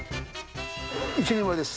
１人前です。